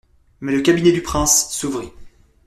Mais le cabinet du prince s'ouvrit.